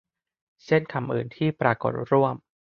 เช่นคำอื่นที่ปรากฏร่วม